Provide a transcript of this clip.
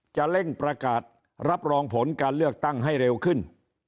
จะเร่งประกาศรับรองผลการเลือกตั้งให้เร็วขึ้น